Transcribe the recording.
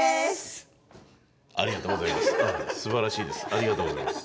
ありがとうございます。